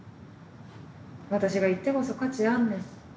私が行ってこそ価値あんねん。